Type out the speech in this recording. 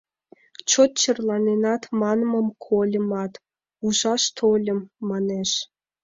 — Чот черланенат манмым кольымат, ужаш тольым, — манеш.